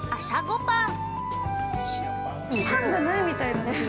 ◆パンじゃないみたいなんだけど。